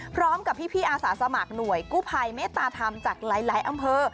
พร้อมกับพี่อาสาสมัครหน่วยกู้ภัยเมตตาธรรมจากหลายอำเภอ